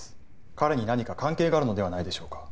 彼に何か関係があるのではないでしょうか？